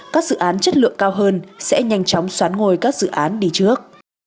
các dự án chất lượng cao hơn sẽ nhanh chóng xoán ngôi các dự án đi trước